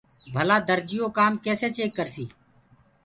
ڀلآ درجيو ڪآم ڪيسي چيڪ ڪرسي